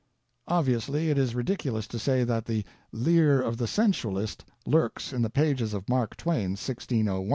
Obviously, it is ridiculous to say that the "leer of the sensualist" lurks in the pages of Mark Twain's 1601.